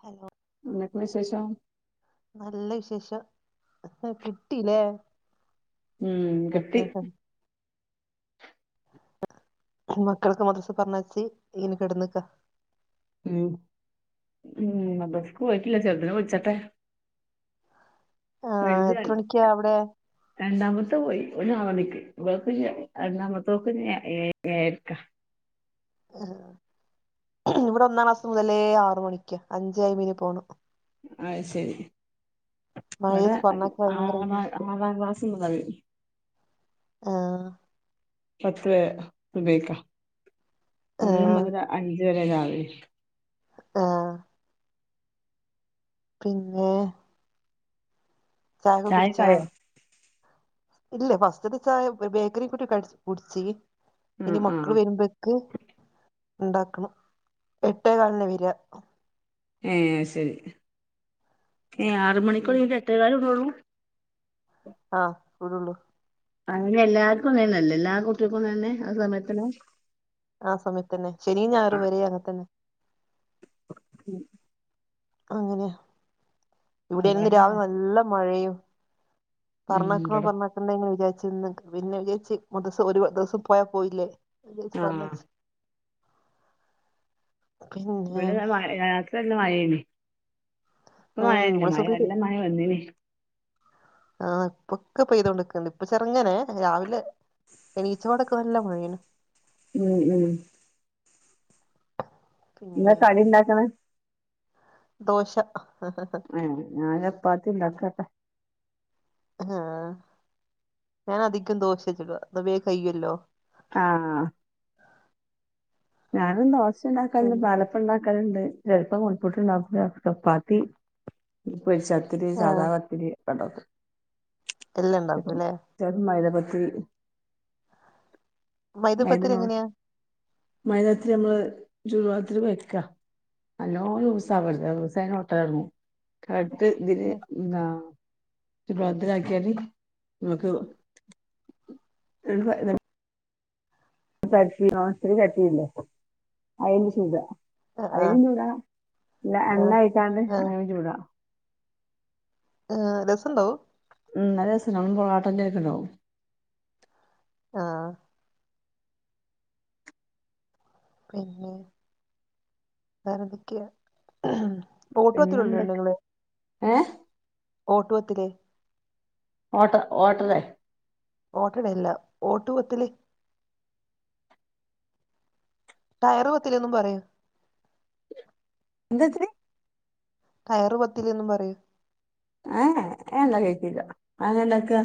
Hello. എന്തെക്കെ വിശേഷം. നല്ല വിശേഷം കിട്ടീല്ലേ. ഉം കിട്ടീ. മക്കള്ളൊക്കെ മദ്രസ്സ്ക്ക് പറഞ്ഞായച്ചി ഇങ്ങനെ കിട നിക്കാ. ഉം ഉം മദ്രസ്സ്ക്ക് പോയിട്ടില്ല ചേർദിനേ വിളിച്ചട്ടെ.. ആ വലുത്. എത്ര മണിക്കാ [unintelligible] അവിടെ രണ്ടാമത്ത് പോയി ഒൾ ആർ മണിക്ക് ഇവൾക്കില്ല രണ്ടാമതൊൾക്ക് ഇനി എയരക്കാ.. ആഹ് ഇവിടെ ഒന്നാം ക്ലാസ് മുതലേ ആറു മണിക്ക അഞ്ചേ അയ്മ്പത്തിന് പോണം. അഹ് ശെരി ഇവിടെ മഴയത്ത് പറഞ്ഞാക്ക് ഭയങ്കര ആറാ ബുദ്ധിമുട്ട് ആറാം ക്ലാസ് മുതൽ. ആഹ് പത്ത് സുബ്ഹിക്കാ ആ ഒന്ന് മുതൽ അഞ്ച് വരെ രാവിലെ ആഹ്.. പിന്നെ ചായയൊക്കെ കുടിച്ചോ? ചായക്കായോ ഇല്ല ഫസ്റ്റ്ത്തെ ചായ ബേക്കറി കൂട്ടി കടിച് കുടിച്ചി ആ ഇനി ആ മക്കള് വെരുമ്പോ ക്ക് ഇണ്ടാക്കണം എട്ടേക്കാൽനാ വെരാ ഏഹേ അഹ് സെരി ഏഹേ ആറ് മണിക്ക് ഉം. തൊടങ്ങീട്ട് എട്ടെകാൽന് വ്ടൊള്ളൂ? ആഹ് വ്‌ടൊള്ളു അങ്ങെനെല്ലാർക്കും അങ്ങനെന്നല്ലേ? എല്ലാ കുട്ടിയൾക്കും അങ്ങനന്നെ ആ സമയത്തന്നെ? ആ സമയത്തന്നെ ശനിം ഞാഴറും വരെ അങ്ങതന്നെ ഉം അങ്ങനെയാ ഇവിടെന്ന് രാവിലെ അതുകൊണ്ടാണ് നല്ല മഴയും ഉം പറഞ്ഞേക്കണോ ഇവിടെ പറ്‌ഞേക്കണ്ടെ വിചാരിച്ചിന്ന് പിന്നെ വിചാരിച്ച് മദ്രസ് ഒരു ദിവസം പോയാ പോയില്ലേ.. അഹ് ജാര്ച്ച് ആ പറഞ്ഞയ്ച്ച് പിന്നെ ഇവടിതാ മഴ രാത്രിയല്ല മഴേനി ഇപ്പ ഉം മഴല്ലാ ഇവിടെ മഴ സുബീര് നല്ല മഴ വെന്നീനി ആഹ് ഇപ്പൊക്കെ പെയ്തൊണ്ട്ക്ക്ണ്ട് ഇപ്പൊ ചെറുങ്ങനെ രാവിലെ എണീച്ച പാടൊക്കെ നല്ല മഴേണ് ഉം ഉം എന്താ പിന്നെ കടിണ്ടാക്ണെ? ദോശ എഹ് ഞാൻ ചപ്പാത്തിണ്ടാക്കെട്ടെ ആഹാ ഞനധികം ദോശെ ചുടാ ഇന്നാ വേഗം കയ്യൊല്ലോ ആഹ് ഞാനും ദോശ ഉണ്ടാക്കാൽണ്ട്, പിന്നെ പലപ്പണ്ടാക്കാല്ണ്ട്, ചെലപ്പം നൂൽ പുട്ട്ണ്ടാക്കും, ചപ്പാത്തി പൊരിച്ചത്തിരി, ആ സാധാ പത്തിരി, ഒക്കെണ്ടാക്കും. എല്ലണ്ടാക്കുല്ലെ? ചെലപ്പോ മൈദ പത്തിരി മൈദപ്പത്തിരി മൈദനോട് എങ്ങനെയാ? മൈദപത്തിരി ഞമ്മള് ചൂട് വെള്ളത്തില് കൊഴക്കാ നല്ലോം ലൂസാവരുത് ലൂസായാ പിന്നെ ഒട്ടലൊട്ങ്ങും കറക്ട്തിന് ആ ന്താ ചുട് വെള്ളത്തിലാക്കിയാല് നമ്മക് [unintelligible] പരത്തിക്കാണ്ട് നോൺസ്റ്റിക് ചട്ടില്ലേയ് അയ്ല് ചുടാ.. ആ അതിലും ചുടാ പിന്നെ ആ എണ്ണ ഒയിച്ചാണ്ട് ആ അങ്ങനിം ചുടാ.. ആഹാ രസണ്ടോ അഹ്? ഉംഹ് നല്ല രസണ്ടാവും നമ്മളെ പൊറാട്ടന്റെ മാരിക്ക്ണ്ടാവും ആഹാ പിന്നെ വേറെന്തെക്കെയാ ഇന്നെന്തൊക്കെ ഏഹേ ഓട്ടു പത്തില് ഓട്ട ഓട്ടടെ? ഓട്ടടയല്ല ഓട്ടുപത്തില് ടയറ്പത്തിലെന്നും പറയും എന്ത് ത്തിരി? ടയറ് പത്തല്ന്നും പറയും ഹേ ഹേ അഹ് വെല്ലാ കേട്ടീല്ല അഹെങ്ങനെണ്ടാക്കാ?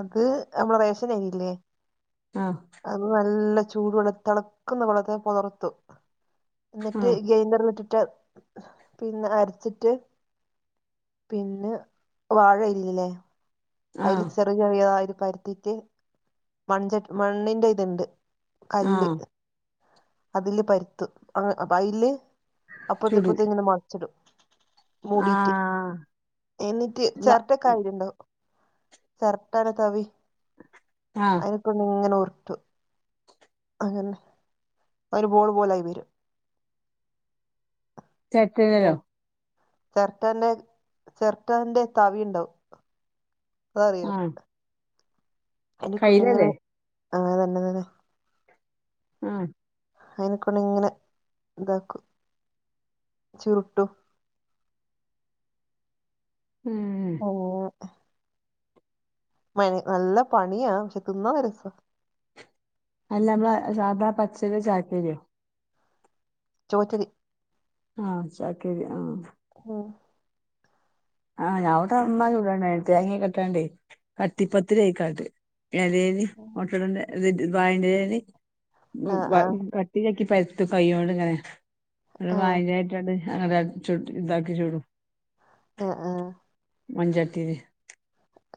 അത് നമ്മളെ റേഷനരില്ലേ? ആഹ് അത് നല്ല ചൂട് വെളത്ത ത്ളക്കുന്ന വെള്ളത്തിൽ പോതർത്തും എന്നിട്ട് ആഹ് ഗെയിന്ററിലിട്ടിട്ട് പിന്ന അരച്ചിട്ട് പിന്നെ വാഴയിലല്ലേ? അയില് ആഹ് ചെ ഇത്ചെറിയതായി പരുത്തിട്ട് മൺച മണ്ണിന്റെ ഇതുണ്ട് കല്ല് ആഹ് അതില് പരുത്തും അ അപ്പ അയില് അപ്പറതും ചുടു ഇപ്പറതും ഇങ്ങനെ മറച്ചിടും. മൂടിട്ട് ആഹ് എന്നിട്ട് വ ചരട്ടകയിലുണ്ടോ ചരട്ടന്റെ തവി ആഹ് അയിനെ കൊണ്ടിങ്ങനെ ഉരുട്ടു അങ്ങനെ ഒരുബോൾ ബോളായി വരും ചെരട്ടയില്ലല്ലോ ചിരട്ടാന്റെ ചിരട്ടാന്റെ തവി ഉണ്ടാവും അതറിയോ ആഹ് എനിക്കുണ്ട അങ്ങനെ കയ്യിലല്ലേ ആ തന്നെ തന്നെ ഉം അയിനക്കൊണ്ടങ്ങനെ ഇതാക്കും ചുരുട്ടും ഉം ഓ മ നല്ല പണിയാ പഷേ തിന്നാ രസ അല്ല പ്പസാധാ പച്ചരിയോ ചാക്കരിയോ ചുവറ്റ രി ആഹ് ചാക്കരി ആഹ് ആഹ് ആ ഞാനതവിട്ന്നാ ചുടണേ തേങ്ങേക്കിട്ടാണ്ടേ കട്ടിപ്പത്തിരിയായിക്കാണ്ട് എലേല് ഓട്ടടന്റെ തെറ്റ് വായന്റെലേല് ആ ആ [unintelligible] കിഴിയാക്കിപരത്തും കയോണ്ട് ഇങ്ങനെ ഒരു ആ വായേന്റെ ഇല ഇതാക്കി ചുടും ആഹ് ആഹ് മൺചട്ടില്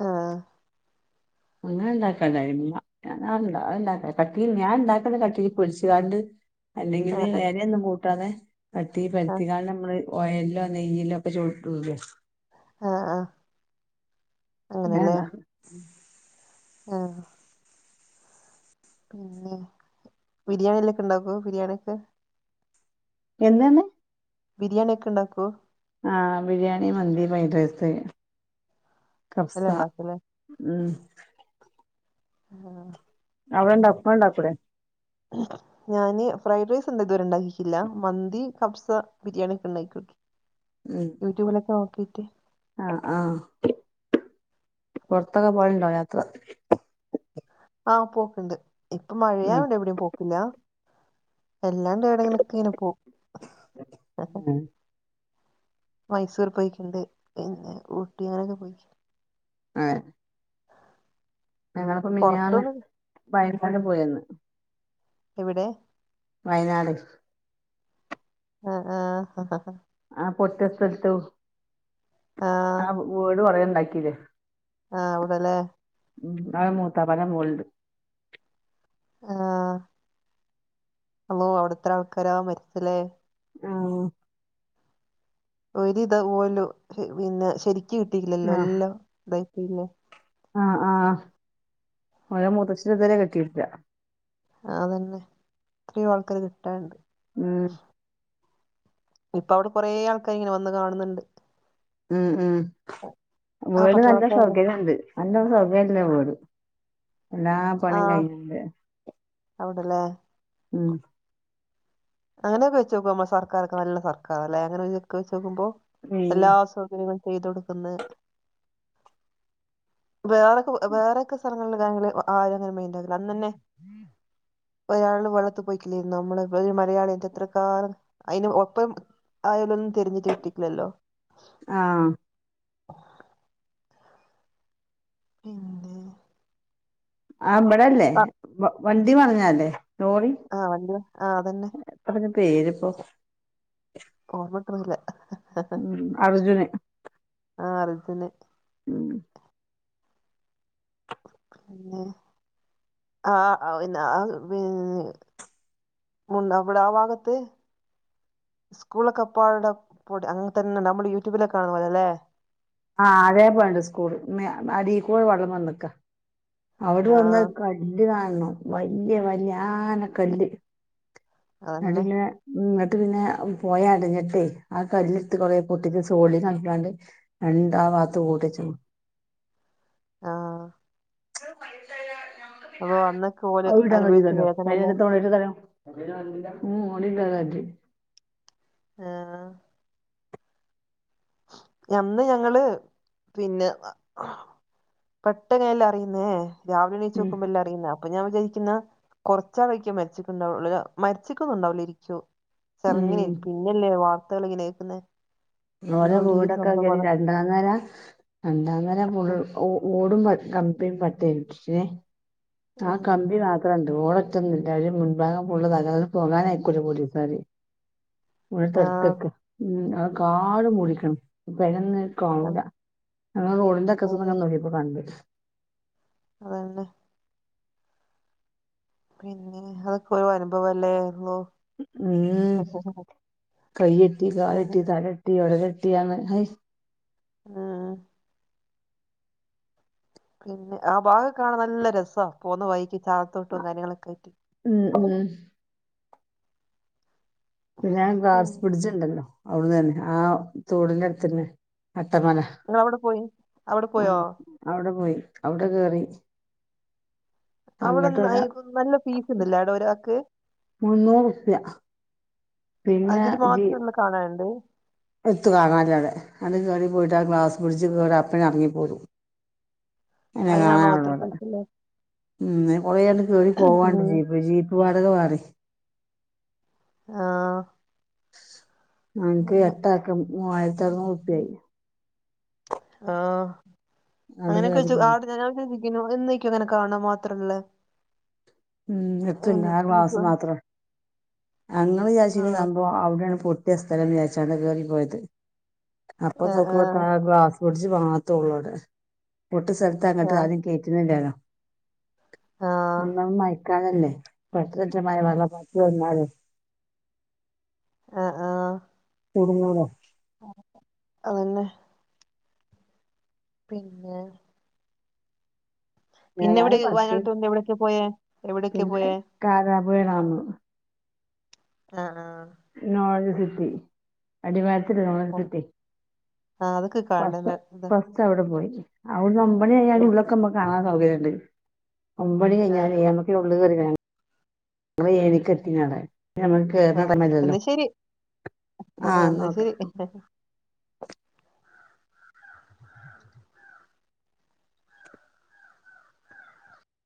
ആഹ് അങ്ങനെ ഇണ്ടാക്കനായിരുന്നു [unintelligible] ഞാന് ഞാനുണ്ടാക്ക പത്തിരി ഞാനുണ്ടാക്കുന്ന പത്തിരി പൊരുച്ചു ങ്ങാണ്ട് ആ അല്ലെങ്കില് ഇലയൊന്നും കൂട്ടാതെ പത്തിരി ആ പരുത്തികാണ്ട് നമ്മള് ഓയലോ നെയ്യയിലോ ഒക്കെ ചുട്ടുല് ആ ഹ ഇങ്ങനെ ആണ ആഹ് പിന്നെ ബിരിയാണി എല്ലക്കെ ഇണ്ടകു ബിരിയാണിയ ഒക്കെ എന്താണ് ബിരിയാണി ഒക്കെ ഉണ്ടാക്കോ ആഹ് ബിരിയാണി മന്തി ഫ്രൈഡ് റൈസ് കഫ്സ എല്ലാം ഉണ്ടാക്കും അല്ലേ ഉം ആ അവിടെണ്ട ഉപ്പണ്ടാക്കൂ ലെ ഞാന് ഫ്രൈഡ് റൈസ് എന്താ ഇതുവരെ ഉണ്ടാക്കിക്കില്ല മന്തി കഫ്സ ബിരിയാണി ഒക്കെ ഉണ്ടാക്കിക്കോട്ടും ഉം യൂട്യൂബിലൊക്കെ നോക്കീട്ട് ആഹ് ആഹ് പുറത്തൊക്കെ പോയുണ്ടോ യാത്ര ആഹ് പോക്കണ്ട് ഇപ്പൊ ഉം മഴയാണ്ട് എവിടെയും പോക്കില്ല എല്ലാം ണ്ട് എവിടങ്ങനക്കെ ഇങ്ങനെ പോവും ഉം മൈസൂർ പോയിക്കുണ്ട് പിന്നെ ഊട്ടിയാനൊക്കെ പോയി ആഹ് ഞങ്ങളിപ്പോ മിനഞ്ഞാന്ന് പൊറത്തൊന്നും വയനക്കാട്ട ഉം പോയിയന്ന് എവിടെ വയനാട് ആഹ ഹ ഹ ആ ആഹ് പൊട്ടിയ സ്ഥല ത്തു ആഹ് ആ വീട് കുറേയ ഉണ്ടാക്കില്ലേ ആഹ് അവിടല്ലേ ഉം അത് മൂത്താപ്പാടെ മോളുണ്ട്. ആഹ് അതും അവിടെ എത്ര ആൾക്കാരാ മരിച്ചല്ലേ. ആഹ് ഒരു ഇതാവൂലോ പിന്നെ ശരിക്ക കിട്ടിയില്ലല്ലോ അല്ലോ ഇതായി പോയില്ലേ. ആഹ് ആഹ് ഓര് മുത്തച്ഛൻ ഇതുവരെ കിട്ടിയിട്ടില്ല. അതെന്നെ എത്രയോ കിട്ടാനുണ്ട്. ഉം ഇപ്പ അവിടെ കുറെ ആൾക്കാർ ഇങ്ങനെ വന്ന് കാണുന്നുണ്ട്. ഉം ഉം ആഹ് ഇവിടെ നല്ല പട്ടാളക്കാരുണ്ട് സൗകര്യമുണ്ട്, നല്ല സൗകര്യമുള്ള വീട്. എല്ലാ പണിയും ആഹ് കഴിഞ്ഞിട്ടുണ്ട്. അവിടെല്ലേ ഉം അങ്ങനെയൊക്കെ വെച്ച് നോക്കുമ്പോ നമ്മടെ സർക്കാർ ഒക്കെ നല്ല സർക്കാർ അല്ലെ, അങ്ങനെ ലുക്ക്‌ വെച്ച് നോക്കുമ്പോ ഉം എല്ലാ സൗകര്യവും. ചെയ്തുകൊടുക്കുന്നു വേറെയൊക്കെ വേറെയൊക്കെ സർക്കാർ. അങ്ങനെ കൊടുക്കാമെങ്കിൽ അവര് അങ്ങനെ മൈൻഡ് ആക്കില്ല, അന്ന് തന്നെ. ഒരാള് വെള്ളത്തിൽ പോയിട്ടില്ലായിരുന്നോ നമ്മടെ ഇവിടെ മരി അയാൾ എത്രകാലം അതിന് ഒപ്പം ആയാലൊന്നും തിരഞ്ഞിട്ട് കിട്ടിട്ടില്ലല്ലോ. ആഹ് പിന്നെ ആഹ് ഇവിടെയല്ലേ ആ വണ്ടി മറിഞ്ഞതല്ലേ ലോറി. ആഹ് വണ്ടി മറിഞ്ഞ് ആഹ് അതെന്നെ. അതിനു പേര് ഇപ്പൊ. ഓർമ്മ കിട്ടുന്നില്ല. ഉം അർജുനെ ആഹ് അർജുൻ തന്നെ. ഉം പിന്നെ ആഹ് പിന്നെ അത് ബി. മുണ്ടക്കൽ അവിടെ ആഹ് ഭാഗത്ത്. സ്കൂളൊക്കെ അപ്പാടെ അങ്ങനെ തന്നെ നമ്മള് യൂട്യൂബിലൊക്കെ കാണുന്നപോലെ അല്ലേ. ആഹ് അതേപോലെ ഉണ്ട് സ്കൂൾ മേ അടിക്കൂടെ വെള്ളം വന്ന് നിക്കാ. അവിടെ ആ വന്നു കല്ല് കാണണം വല്യ വല്യ ആന കല്ല്. അത് അതന്നെ പിന്നെ ഉം എന്നിട്ട് പിന്നെ പോയി അടിഞ്ഞിട്ടെ ആഹ് കല്ലെടുത്ത് കൊറെ പൊട്ടിച്ച് സോലെ ചെയ്യുന്നു ആൾക്കാരുണ്ട്. രണ്ട് ആഹ് ഭാഗത്ത് പൊട്ടിച്ചു. ആഹ് വൈകിട്ടെല്ലാം ഞങ്ങൾക്ക് പിന്നെ അപ്പൊ ആരെ, അന്നൊക്കെ ഓല് അവിടെ അനുഭവിച്ച വരുന്നവരോ. [unintelligible] വേദന അല്ലേ അവിടെ ഒരുതരം ഉം മൂടിയിട്ട് ഇതാക്കി. ആഹ് അന്ന് ഞങ്ങള് പിന്നെ. പെട്ടെന്നല്ല അറിയുന്നേ രാവിലെ എണീച്ച് ഉം നോക്കുമ്പോ എല്ലാരും. അപ്പൊ ഞാൻ വിചാരിക്കുന്നു കുറച്ച് ആൾക്കാർ മരിച്ചിട്ടുണ്ടാവും ഉള്ളിലോ മരിച്ചിക്കുന്നെ ഉണ്ടാവില്ല ഇരിക്കും. ഉം [unintelligible] പിന്നല്ലേ വാർത്തകൾ ഇങ്ങനെ കേക്കുന്ന. ഓലെ വീട് ഒക്കെ നോക്കിയേനെ രണ്ടാംനില. രണ്ടാം നില ഫുള്ളും ഓ ഓ ഓടും വെ കമ്പിയും പറ്റെ ഇല്ലേ. ആഹ് ഉം കമ്പി മാത്രമുണ്ട് ഓട് ഒറ്റന്ന് ഇല്ല അവര് മുൻഭാഗം ഫുള്ളും തലവര പോകാൻ ആയിക്കൂല പോലീസാര്. ആഹ് ഉഴത്തെടുത്തൊക്കെ ഉം ആഹ് കാട് മുടിക്കണം പെരന്ന്. കാണൂല്ല ഞങ്ങള് റോഡിന്റെ അറ്റം അതന്നെ ചെന്ന് നോക്കിയപ്പോ കണ്ട്. അതെല്ലേ പിന്നെ അതൊക്കെ ഒരു അനുഭവയല്ലേരുന്നോ? ഉം കയ്യ്ട്ടി ഉം കാല്ട്ടി തലട്ടി ഒടെല്ട്ടിർഞ്ഞ് അഹ് ഉം ഉം പിന്നെ ആ ഭാഗം കാണാൻ നല്ല രസാ പോവ്ന്ന വൈക്കി കാളത്തോട്ടും കാര്യങ്ങളൊക്കെണ്ട് ഉം ഉം പിന്നെ ഞാൻ ഗ്ലാസ് പിന്നെ ബ്രിഡ്ജ്ണ്ടല്ലോ അവ്ടെ തന്നെ ആ തോട്ന്റെ അട്ത്തന്നെ അട്ടമല ന്നവ്ടെ പോയി അവ്ടെ പോയോ അവ്ടെ പോയി അവ്ടെ കേറി അങ്ങട്ട് ഒരാ അവിടെന്ന് നല്ലെ ഫീസ്ണ്ട്ലേ അവ്ടെ ഒരാക്ക് മുന്നൂറ്പ്യ പിന്നെ ജി കാണല്ണ്ട് എത്തും കാണാല്ലവ്ടെ അത് കേറി പോയിട്ട് ആ ഗ്ലാസ് ബ്രിഡ്ജ് കേറി അപ്പെന്നെ എർങ്ങി പോരും [inaudible] അതെന്നെ കാണാനാെള്ളു ഇത്ര അവ്ടെ പൈസ ഉള്ളെ ഉം അയ്ന് കൊറേ ആണ്ട് കേറി പോവാണ്ട് ഉം ജീപ്പ് ജീ വാടകവേറിം ആഹ് ഞങ്ങക്ക് എട്ടാക്ക് മൂവായ്രത്തറ്ന്നൂറുപ്പ്യായി ആഹ് അത് അങ്ങെനെക്കെ കയറി വെച്ച് പോയി ആടെ ഞ [unintelligible] എന്നേക്കും ങ്ങെനെ കാണാൻ മാത്രള്ളെ ഉം എത്തുല്ല ആ ഗ്ലാസ് ഫീസും മാത്രം ഞങ്ങള് ചാര്ച്ചീനെ ആഹ് സംഭവം അവ്ടേണ് പൊട്ടിയ സ്ഥലം ന്ന് ചാര്ച്ചാണ്ടാ കേറി പോയത് അപ്പൊ നോക്കുമ്പം ആഹ് ഗ്ലാസ് ബ്രിഡ്ജ് മാത്രാെള്ളു അവ്ടെ പൊട്ട്യ സ്ഥൽത്ത് അങ്ങട്ട് ആഹ് ആരിം കേറ്റ്ണില്ലേലോ ആഹ് ഒന്നാമത് മയക്കാലല്ലേ പെട്ടെന്നെറ്റെ മയവെള്ളപ്പാച്ചില് വന്നാലോ അൽ ആഹ് കുട്ങ്ങൂലേ അതെന്നെ പിന്നെ പിന്നെ ഇവ്ടെ ഏതായാലും പഠിച്ചോ വയനാട്ട് വന്ന് എവ്ടെക്കെ പോയെ എവിടെയൊക്കെ പോയേ കാരാ പുഴ ഡാമ് ലാ ആഹ് നോളജ് സിറ്റി അടിവാരത്തില് നോളജ് സിറ്റി ആഹ് അതൊക്കെ കാണണല്ലേ ഇതാ കൊഴപ്പ അവടെ പോയി അവ്ടുന്ന് ഒമ്പെണി ആയാല് ഉള്ളൊക്കെ മ്മക്ക് കാണാൻ സൗകര്യണ്ട് ഒമ്പെണി കയ്ഞ്ഞാലെ ആഹ് ഞമ്മക്ക് ഉള്ള് കേറി കാ ങ്ങള് ഏഴെണിക്കെത്തീണവ്ടെ [unintelligible] കേറ്ണാ ആഹ് [unintelligible] ല്ലല്ലോ എന്നാ ശരി ആഹ് എന്നാ ശരി നോക്കാ